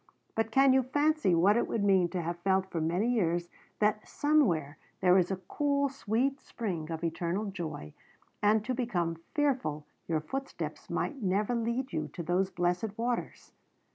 But can you fancy what it would mean to have felt for many years that somewhere there was a cool, sweet spring of eternal joy, and to become fearful your footsteps might never lead you to those blessed waters?